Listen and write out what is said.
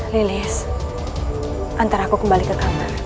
lilis antara aku kembali ke kamar